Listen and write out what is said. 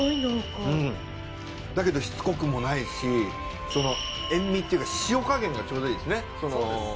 だけどしつこくもないし塩味っていうか塩加減がちょうどいいですね。